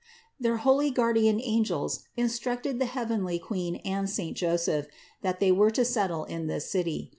Their holy guardian angels instructed the heavenly Queen and saint Joseph, that They were to settle in this city.